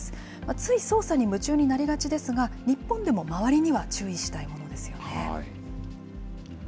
つい操作に夢中になりがちですが、日本でも周りには注意したいものですよね。